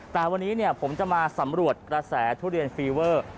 แต่วันนี้ผมจะมาสำรวจกระแสทุเรียนฟีเวอร์